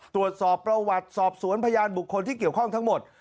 ตรวจสอบประวัติสอบสวนพยานบุคคลที่เกี่ยวข้องทั้งหมด